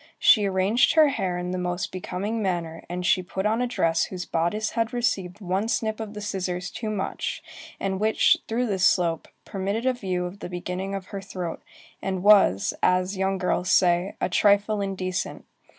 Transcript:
She arranged her hair in the most becoming manner, and she put on a dress whose bodice had received one snip of the scissors too much, and which, through this slope, permitted a view of the beginning of her throat, and was, as young girls say, "a trifle indecent."